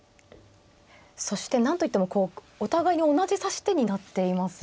そして何といってもお互いに同じ指し手になっていますよね。